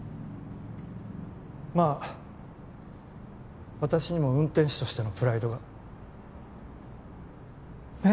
まあ私にも運転手としてのプライドが。ねぇ。